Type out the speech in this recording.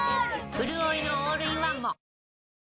うるおいのオールインワンも！